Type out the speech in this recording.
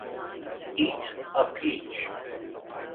Eat a peach.